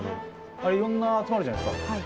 あれいろんな集まるじゃないですか。